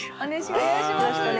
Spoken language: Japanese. お願いします。